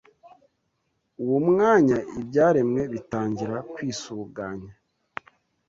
uwo mwanya ibyaremwe bitangira kwisuganya